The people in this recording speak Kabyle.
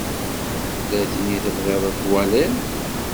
Tella tin i tebɣiḍ ad twaliḍ?